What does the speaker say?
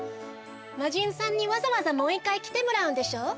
まじんさんにわざわざもう１かいきてもらうんでしょ？